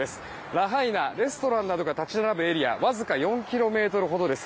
ラハイナ、レストランなどが立ち並ぶエリアわずか４ｋｍほどです。